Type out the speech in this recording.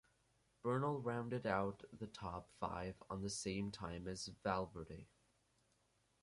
Bernal rounded out the top five on the same time as Valverde.